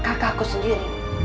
kakak aku sendiri